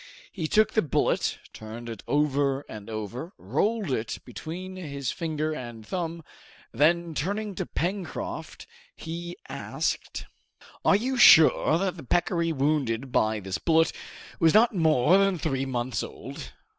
He took the bullet, turned it over and over, rolled it between his finger and thumb; then, turning to Pencroft, he asked, "Are you sure that the peccary wounded by this bullet was not more than three months old?"